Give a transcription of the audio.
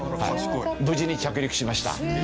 無事に着陸しました。